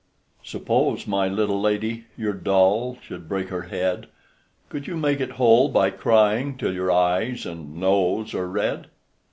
Suppose, my little lady, Your doll should break her head, Could you make it whole by crying Till your eyes and nose are red?